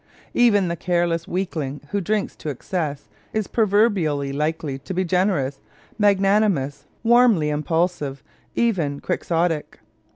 Even the careless weakling who drinks to excess is proverbially likely to be generous, magnanimous, warmly impulsive, even quixotic.